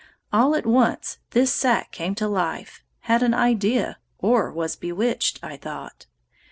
All at once this sack came to life, had an idea, or was bewitched, I thought.